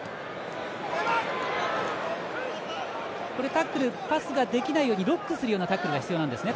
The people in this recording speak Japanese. タックル、パスができないよりロックするようなタックルが必要なんですね。